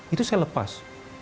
itu saya lepas